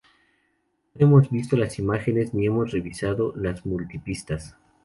No hemos visto las imágenes ni hemos revisado las multi-pistas.